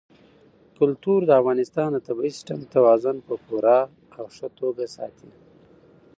کلتور د افغانستان د طبعي سیسټم توازن په پوره او ښه توګه ساتي.